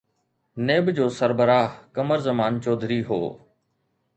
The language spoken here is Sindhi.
نيب جو سربراهه قمر زمان چوڌري هو.